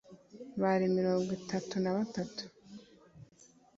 bari mirongo itatu na batatu